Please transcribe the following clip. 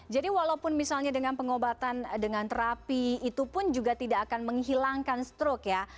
jadi walaupun misalnya dengan pengobatan dengan terapi itu pun juga tidak akan menghilangkan struk ya